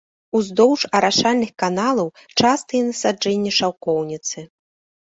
Уздоўж арашальных каналаў частыя насаджэнні шаўкоўніцы.